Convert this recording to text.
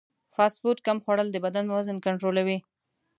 فاسټ فوډ کم خوړل د بدن وزن کنټرولوي.